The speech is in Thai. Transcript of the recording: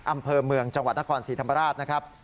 อำเภอเมืองจังหวัดนครศรีธรรมราชนะครับ